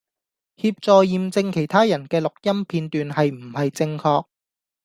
協助驗證其他人既錄音片段係唔係正確